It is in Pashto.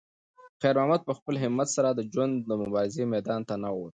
خیر محمد په خپل همت سره د ژوند د مبارزې میدان ته ننووت.